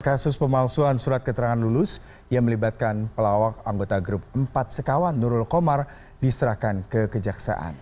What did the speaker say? kasus pemalsuan surat keterangan lulus yang melibatkan pelawak anggota grup empat sekawan nurul komar diserahkan ke kejaksaan